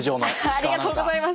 ありがとうございます！